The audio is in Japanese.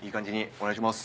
お願いします。